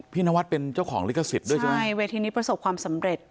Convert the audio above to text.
นวัดเป็นเจ้าของลิขสิทธิ์ด้วยใช่ไหมใช่เวทีนี้ประสบความสำเร็จ